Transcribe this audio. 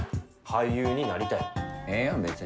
俳優になりたいねん。